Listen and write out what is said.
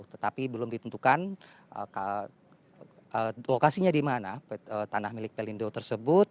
tetapi belum ditentukan lokasinya di mana tanah milik pelindo tersebut